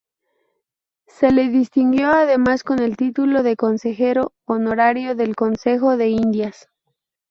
Se le distinguió además con el título de consejero honorario del Consejo de Indias.